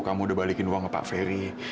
kamu udah balikin uang ke pak ferry